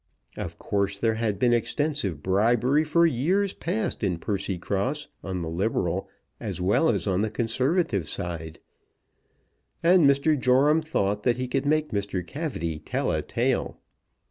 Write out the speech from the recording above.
Of course there had been extensive bribery for years past in Percycross on the liberal as well as on the conservative side, and Mr. Joram thought that he could make Mr. Cavity tell a tale.